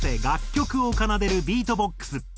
楽曲を奏でるビートボックス。